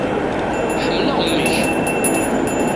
Ḥemmleɣ mmi-k.